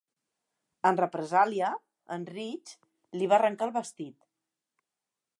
En represàlia, en Rich li va arrencar el vestit.